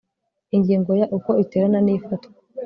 Ingingo ya Uko iterana n ifatwa